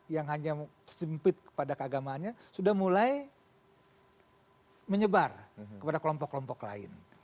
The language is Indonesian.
yang hanya sempit kepada keagamaannya sudah mulai menyebar kepada kelompok kelompok lain